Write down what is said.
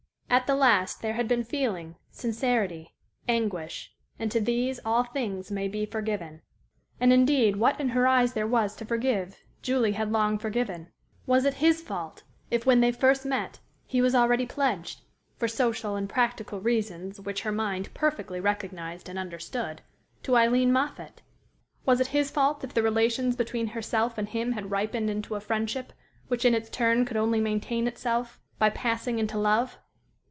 At the last there had been feeling, sincerity, anguish, and to these all things may be forgiven. And, indeed, what in her eyes there was to forgive, Julie had long forgiven. Was it his fault if, when they met first, he was already pledged for social and practical reasons which her mind perfectly recognized and understood to Aileen Moffatt? Was it his fault if the relations between herself and him had ripened into a friendship which in its turn could only maintain itself by passing into love?